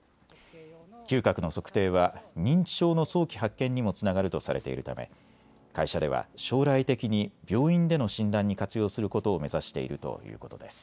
嗅覚の測定は認知症の早期発見にもつながるとされているため会社では将来的に病院での診断に活用することを目指しているということです。